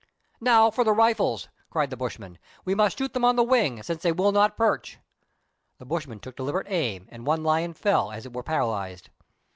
" Now for the rifles," cried the bushman, " we must shoot them on the wing, since they will not perch." The bushman took deliberate aim, and one lion fell, as it were paralyzed.